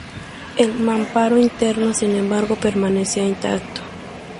El mamparo interno, sin embargo, permanecía intacto.